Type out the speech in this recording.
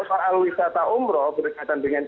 soal wisata umroh berkaitan dengan